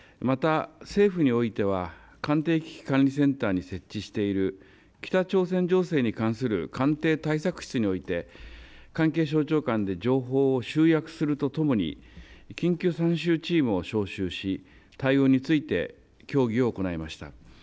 また政府においては官邸危機管理センターに設置している北朝鮮情勢に関する官邸対策室において関係省庁間で情報を集約するとともに、緊急参集チームを招集し対応について協議を行いました。